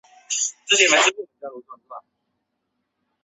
一战之后捷克斯洛伐克独立。